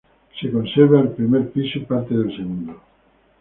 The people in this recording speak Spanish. Se conserva el primer piso y parte del segundo.